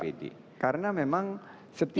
kita stop disana karena waktunya sudah habis